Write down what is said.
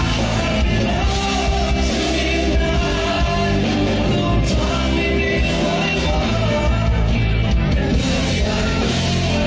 ทุกที่ว่าใช่ไหม